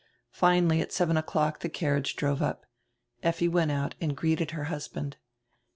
Finally, at seven o'clock, the carriage drove up. Effi went out and greeted her hus band.